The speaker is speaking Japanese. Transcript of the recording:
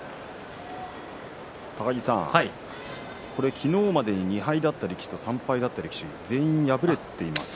昨日まで２敗だった力士と３敗だった力士が全員敗れていますか？